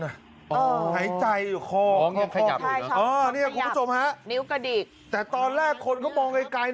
อ้าวหายใจอยู่คออ้ออแต่คุณผู้ชมฮะนิ้วกระดิษฐ์แต่ตอนแรกคนเขามองไกลไกลนึกว่าตายน่ะ